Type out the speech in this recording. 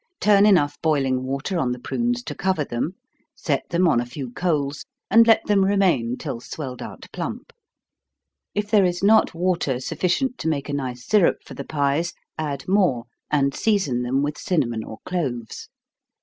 Turn enough boiling water on the prunes to cover them, set them on a few coals, and let them remain till swelled out plump. If there is not water sufficient to make a nice syrup for the pies, add more, and season them with cinnamon or cloves.